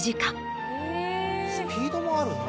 スピードもあるんだな。